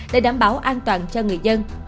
để đảm bảo an toàn cho người dân